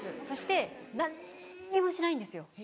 そして何にもしないんですよ。